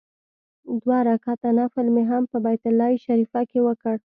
دوه رکعاته نفل مې هم په بیت الله شریفه کې وکړ.